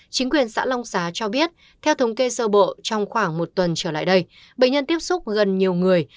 chính quyền xã long xá cho biết theo thống kê sơ bộ trong khoảng một tuần trở lại đây bệnh nhân tiếp xúc gần nhiều người